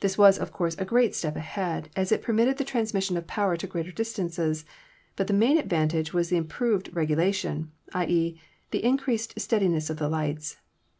This was, of course, a great step ahead, as it permitted the transmission of power to greater distances, but the main advantage was the improved regulation — i.e., the in creased steadiness of the lights.